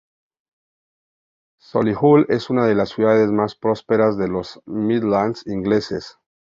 Solihull es una de las ciudades más prósperas de los Midlands ingleses.